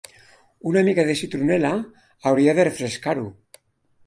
Una mica de citronella hauria de refrescar-ho.